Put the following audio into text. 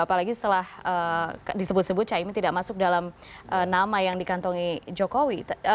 apalagi setelah disebut sebut caimin tidak masuk dalam nama yang dikantongi jokowi